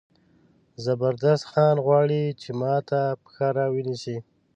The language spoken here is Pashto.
زبردست خان غواړي چې ما ته پښه را ونیسي.